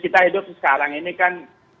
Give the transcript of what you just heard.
kita hidup sekarang ini kan